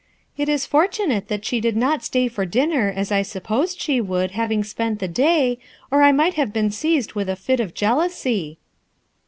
It k fortunate that she did not stay for dinner, as I supposed she would, having spent the day, or I might have been seized with a ht of jealousy."